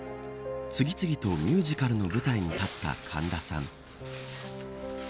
次々とミュージカルの舞台に立った神田さん。